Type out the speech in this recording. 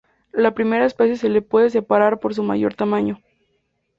La primera especie se la puede separar por su mayor tamaño.